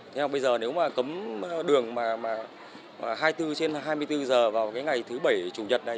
thế nào bây giờ nếu mà cấm đường hai mươi bốn trên hai mươi bốn giờ vào ngày thứ bảy chủ nhật này